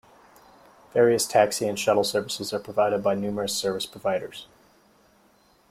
Various taxi and shuttle services are provided by numerous service providers.